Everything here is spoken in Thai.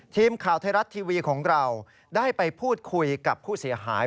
ทีมข่าวไทยรัฐทีวีของเราได้ไปพูดคุยกับผู้เสียหาย